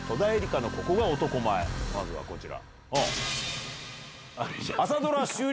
まずはこちら。